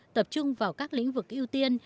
tập trung vào các lĩnh vực ưu tiên